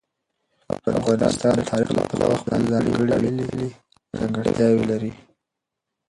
افغانستان د تاریخ له پلوه خپله ځانګړې ویاړلې ځانګړتیاوې لري.